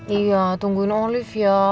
iya tungguin olive ya